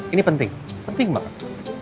ini penting penting banget